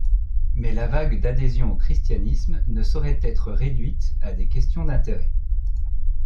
Mais la vague d'adhésion au christianisme ne saurait être réduite à des questions d'intérêt.